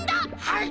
はい！